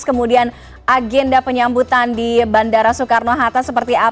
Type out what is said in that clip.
kemudian agenda penyambutan di bandara soekarno hatta seperti apa